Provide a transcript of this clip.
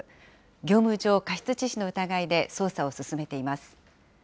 業務上過失致死の疑いで捜査を進めています。